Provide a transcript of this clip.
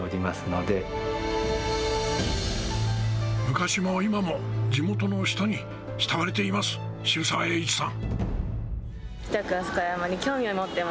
昔も今も地元の人に慕われています、渋沢栄一さん。